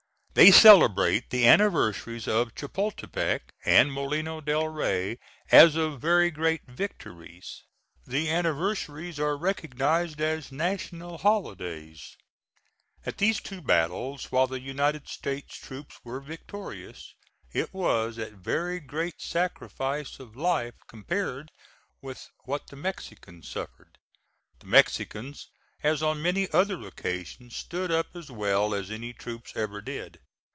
They celebrate the anniversaries of Chapultepec and Molino del Rey as of very great victories. The anniversaries are recognized as national holidays. At these two battles, while the United States troops were victorious, it was at very great sacrifice of life compared with what the Mexicans suffered. The Mexicans, as on many other occasions, stood up as well as any troops ever did.